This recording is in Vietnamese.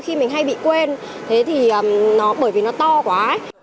khi mình hay bị quên thì bởi vì nó to quá